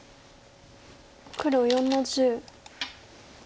黒４の十。